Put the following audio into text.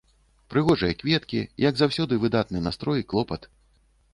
Прыгожыя кветкі, як заўсёды, выдатны настрой, клопат.